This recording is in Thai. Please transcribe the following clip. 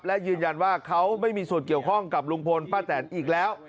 และยืนยันว่าเขาไม่มีส่วนเกี่ยวข้องกับลุงพลป้าแตนอีกแล้ว